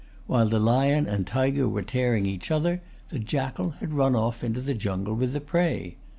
While the lion and tiger were tearing each other, the jackal had run off into the jungle with the prey.